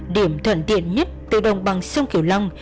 điểm thuận tiện nhất từ đồng bằng sông kiểu long